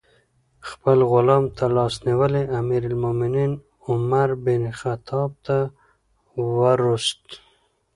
خپل غلام ترلاس نیولی امیر المؤمنین عمر بن الخطاب ته وروست.